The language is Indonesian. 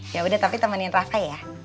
yaudah tapi temenin rafa ya